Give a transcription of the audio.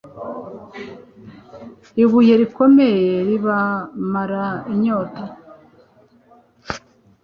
ibuye rikomeye ribamara inyota